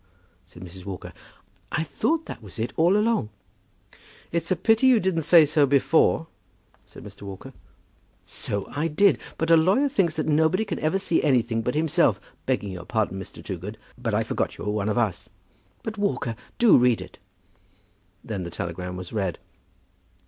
said Mrs. Walker. "I thought that was it all along." "It's a pity you didn't say so before," said Mr. Walker. "So I did; but a lawyer thinks that nobody can ever see anything but himself; begging your pardon, Mr. Toogood, but I forgot you were one of us. But, Walker, do read it." Then the telegram was read.